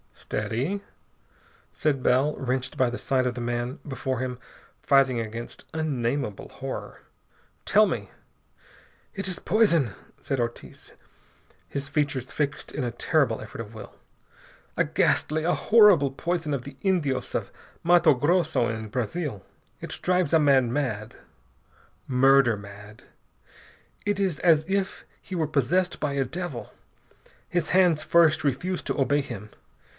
"Steady!" said Bell, wrenched by the sight of the man before him fighting against unnameable horror. "Tell me " "It is poison," said Ortiz, his features fixed in a terrible effort of will. "A ghastly, a horrible poison of the Indios of Matto Grosso, in Brazil. It drives a man mad, murder mad. It is as if he were possessed by a devil. His hands first refuse to obey him.